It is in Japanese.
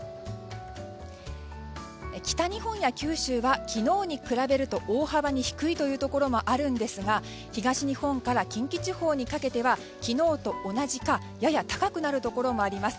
北日本や九州は昨日に比べると大幅に低いところもあるんですが東日本から近畿地方にかけては昨日と同じかやや高くなるところもあります。